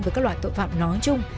với các loại tội phạm nói chung